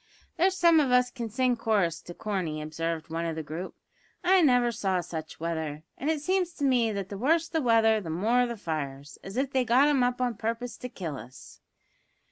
"There's some of us can sing chorus to Corney," observed one of the group. "I never saw such weather; and it seems to me that the worse the weather the more the fires, as if they got 'em up a purpose to kill us."